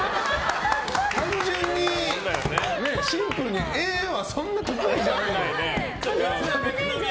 単純にシンプルに絵はそんなに得意じゃないよね。